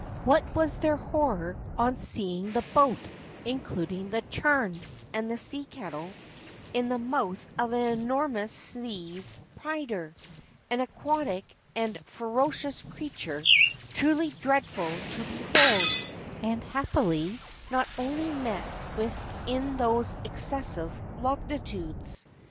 What was their horror on seeing the boat (including the churn and the tea kettle) in the mouth of an enormous seeze pyder, an aquatic and ferocious creature truly dreadful to behold, and, happily, only met with in those excessive longitudes!